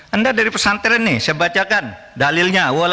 anda dari pesantren ini saya bacakan dalilnya